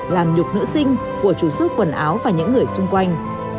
làm nhục nữ sinh của chủ suốt quần áo và những người xung quanh